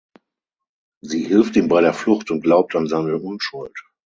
Sie hilft ihm bei der Flucht und glaubt an seine Unschuld.